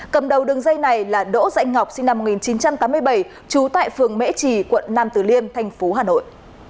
cầm đầu đường dây này là đỗ dạnh ngọc sinh năm một nghìn chín trăm tám mươi bảy trú tại phường mễ trì quận nam tử liêm tp hà nội